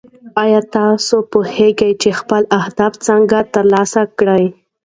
ایا ته پوهېږې چې خپل اهداف څنګه ترلاسه کړې؟